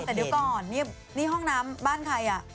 แต่เดี๋ยวก่อนนี่ห้องน้ำบ้านใครอ่ะ